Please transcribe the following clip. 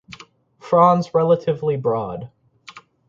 Frons relatively broad.